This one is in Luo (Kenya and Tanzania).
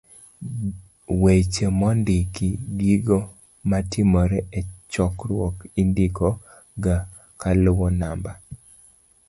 d-Weche mondiki. gigo matimore e chokruok indiko ga kaluwo namba